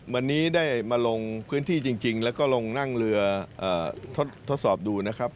วันนี้ได้มาลงพื้นที่จริงแล้วก็ลงนั่งเรือทดสอบดูนะครับ